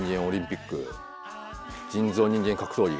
人造人間格闘技。